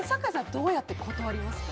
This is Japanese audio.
どうやって断りますか。